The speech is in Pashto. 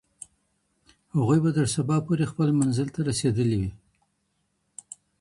هغوی به تر سبا پورې خپل منزل ته رسېدلي وي.